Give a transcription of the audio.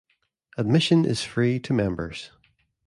Admission is free to members.